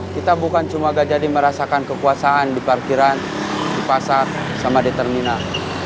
kita bukan cuma gajari merasakan kekuasaan di parkiran di pasar sama di terminal